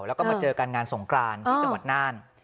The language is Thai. แล้วก็มาเจอกันงานสงกรานที่จังหวัดน่าน